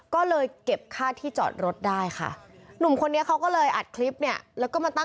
ก็เลยเก็บค่าที่จอดรถได้ค่ะ